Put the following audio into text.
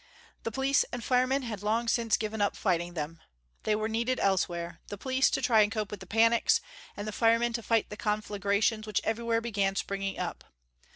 The police and firemen had long since given up fighting them. They were needed elsewhere the police to try and cope with the panics, and the firemen to fight the conflagrations which everywhere began springing up.